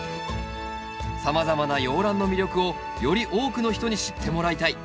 さまざまな洋ランの魅力をより多くの人に知ってもらいたい。